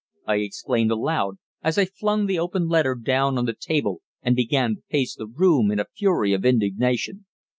I exclaimed aloud as I flung the open letter down on to the table and began to pace the room in a fury of indignation.